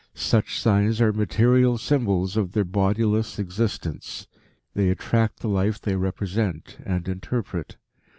Such signs are material symbols of their bodiless existence. They attract the life they represent and interpret.